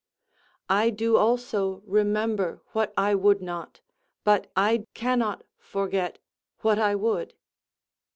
_ "I do also remember what I would not; but I cannot forget what I would."